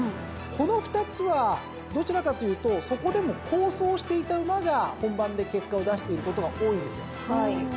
この２つはどちらかというとそこでも好走していた馬が本番で結果を出していることが多いんですよ。